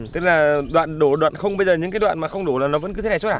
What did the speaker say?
tức là đoạn đổ đoạn không bây giờ những cái đoạn mà không đủ là nó vẫn cứ thế này suốt cả